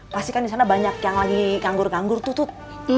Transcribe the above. pasti kan di sana banyak yang lagi ganggur ganggur tut